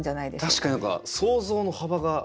確かに何か想像の幅が。